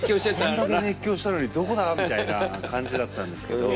あんだけ熱狂したのにどこだみたいな感じだったんですけど。